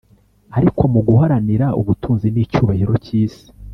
, ariko mu guharanira ubutunzi n’icyubahiro cy’isi